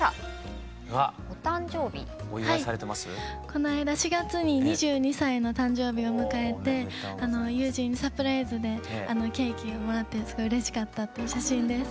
この間４月に２２歳の誕生日を迎えて友人にサプライズでケーキをもらってすごいうれしかったっていう写真です。